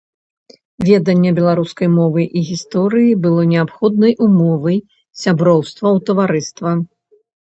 Веданне беларускай мовы і гісторыі было неабходнай умовай сяброўства ў таварыства.